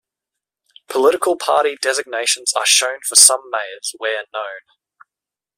Political party designations are shown for some mayors, where known.